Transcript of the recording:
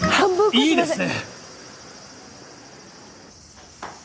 いいですね！